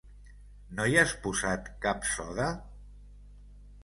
No hi has posat cap soda?